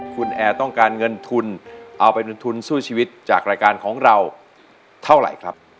คุณแอร์ต้องการเงินทุนเอาไปเป็นทุนสู้ชีวิตจากรายการของเราเท่าไหร่ครับ